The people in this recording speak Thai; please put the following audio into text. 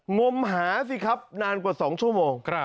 งมหาสิครับนานกว่า๒ชั่วโมง